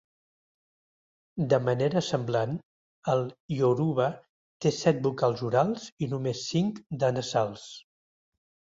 De manera semblant, el ioruba té set vocals orals i només cinc de nasals.